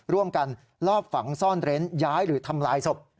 ร่วมกันลอบฝังซ่อนเร้นย้ายหรือทำลายศพ